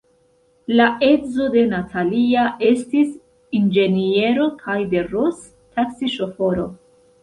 La edzo de Natalia estis inĝeniero kaj de Ros – taksiŝoforo.